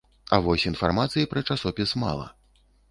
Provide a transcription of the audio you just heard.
А вось інфармацыі пра часопіс мала.